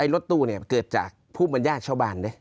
รถตู้เกิดจากภูมิบัญญาชาวบาล